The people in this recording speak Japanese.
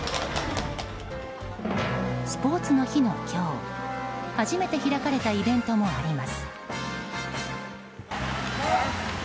スポーツの日の今日初めて開かれたイベントもあります。